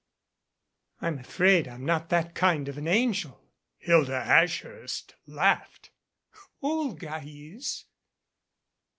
' "I'm afraid I'm not that kind of an angel." Hilda Ashhurst laughed. "Olga is."